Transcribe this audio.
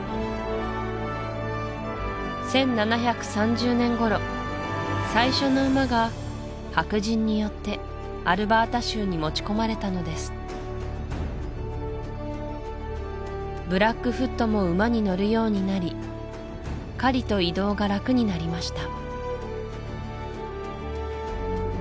１７３０年頃最初の馬が白人によってアルバータ州に持ち込まれたのですブラックフットも馬に乗るようになり狩りと移動が楽になりました